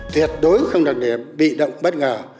tuyệt đối không được để bị động bất ngờ